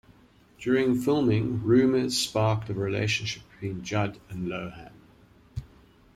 During filming, rumours sparked of a relationship between Judd and Lohan.